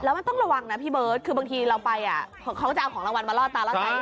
แล้วมันต้องระวังนะพี่เบิร์ตคือบางทีเราไปเขาจะเอาของรางวัลมาล่อตาแล้วใช้